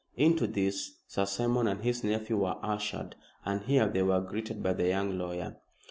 Into this Sir Simon and his nephew were ushered, and here they were greeted by the young lawyer.